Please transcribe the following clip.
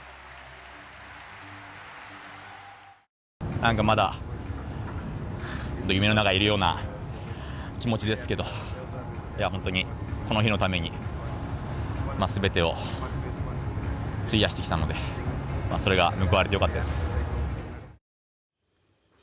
なんかまだ夢の中にいるような気持ちですけど本当に、この日のためにすべてを費やしてきたのでそれが報われてよかったです。